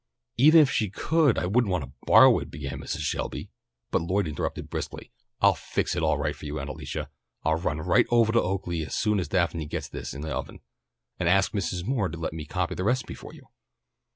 "Even if she could I wouldn't want to borrow it," began Mrs. Shelby, but Lloyd interrupted briskly. "I'll fix it all right for you, Aunt Alicia. I'll run right ovah to Oaklea as soon as Daphne gets this in the oven, and ask Mrs. Moore to let me copy the recipe for you."